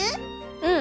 うん！